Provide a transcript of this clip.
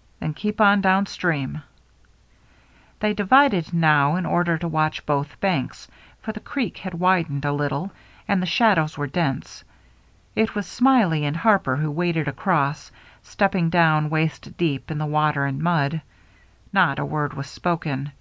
" Then keep on down stream." They divided now in order to watch both banks, for the creek had widened a little and the shadows were dense. It was Smiley and Harper who waded across, stepping down waist deep in the water and mud. Not a word was spoken.